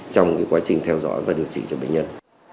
trong quá trình theo dõi và điều trị cho bệnh nhân